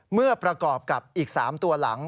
เมื่อประกอบกับอีก๓ตัวหลัง